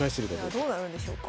さあどうなるんでしょうか。